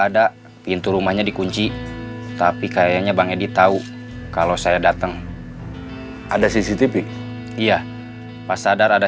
ada pintu rumahnya dikunci tapi kayaknya bang edi tahu kalau saya datang ada cctv iya pas sadar ada